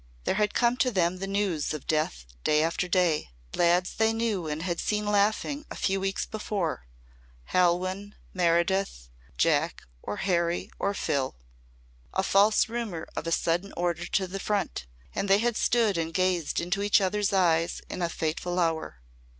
There had come to them the news of death day after day lads they knew and had seen laughing a few weeks before Halwyn, Meredith, Jack or Harry or Phil. A false rumour of a sudden order to the Front and they had stood and gazed into each other's eyes in a fateful hour.